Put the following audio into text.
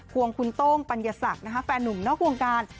วงคุณโต้งปัญญาศักดิ์แฟนหนุ่มนอกวงการ